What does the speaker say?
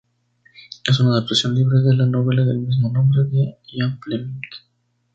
Es una adaptación libre de la novela del mismo nombre de Ian Fleming.